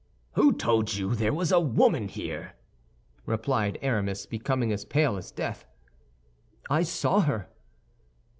"Who told you there was a woman here?" replied Aramis, becoming as pale as death. "I saw her."